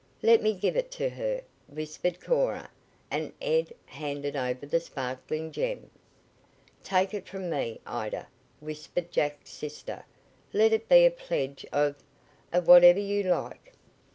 "Let me give it to her," whispered Cora, and Ed handed over the sparkling gem. "Take it from me, Ida," whispered Jack's sister. "Let it be a pledge of of whatever you like."